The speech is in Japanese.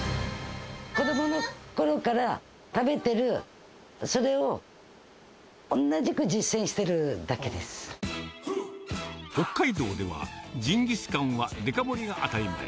子どものころから食べてる、それを、北海道では、ジンギスカンはデカ盛りが当たり前。